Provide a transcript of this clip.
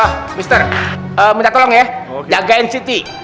ah mister minta tolong ya jagain city